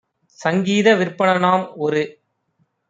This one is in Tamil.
சங்கீத விற்பனனாம் - ஒரு